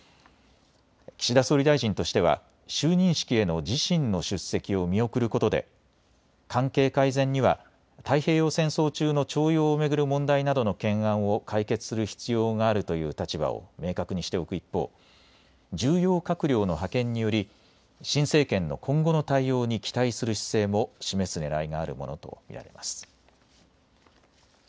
岸田総理大臣としては就任式への自身の出席を見送ることで関係改善には太平洋戦争中の徴用を巡る問題などの懸案を解決する必要があるという立場を明確にしておく一方、重要閣僚の派遣により新政権の今後の対応に期待する姿勢も示すねらいがあるものと見られます。